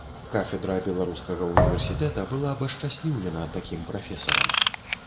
Кафедра беларускага універсітэта была б ашчасліўлена такім прафесарам.